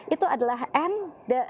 itu adalah end